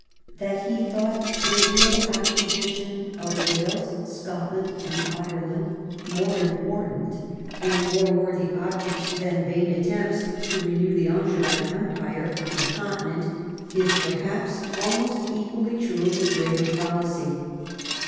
That he thought the real acquisition of Wales, Scotland, and Ireland more important and more worthy objects than vain attempts to renew the Angevin Empire on the Continent is perhaps almost equally true of his later policy.